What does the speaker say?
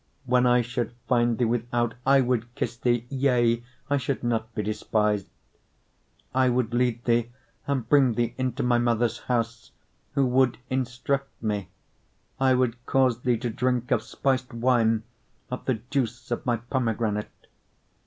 when I should find thee without, I would kiss thee; yea, I should not be despised. 8:2 I would lead thee, and bring thee into my mother's house, who would instruct me: I would cause thee to drink of spiced wine of the juice of my pomegranate.